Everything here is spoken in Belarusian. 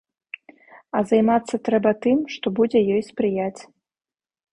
А займацца трэба тым, што будзе ёй спрыяць.